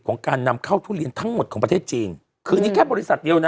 การนำเข้าทุเรียนทั้งหมดของประเทศจีนคือนี่แค่บริษัทเดียวนะ